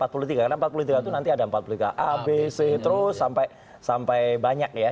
karena empat puluh tiga itu nanti ada empat puluh tiga a b c terus sampai banyak ya